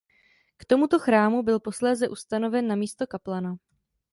K tomuto chrámu byl posléze ustanoven na místo kaplana.